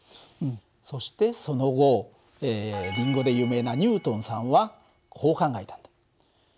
そしてその後リンゴで有名なニュートンさんはこう考えたんだ。